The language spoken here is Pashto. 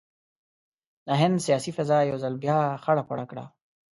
د هند سیاسي فضا یو ځل بیا خړه پړه کړه.